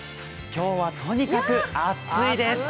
今日はとにかく暑いです。